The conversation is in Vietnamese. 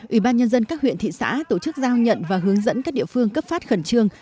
ủy ban nhân dân các huyện thị xã tổ chức giao nhận và hướng dẫn các địa phương cấp phát khẩn trương